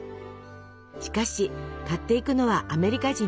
しかし買っていくのはアメリカ人ばかり。